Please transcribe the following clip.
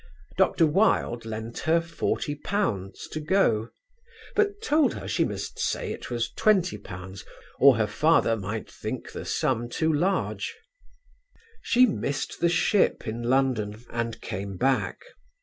Dr. Wilde lent her £40 to go, but told her she must say it was £20 or her father might think the sum too large. She missed the ship in London and came back.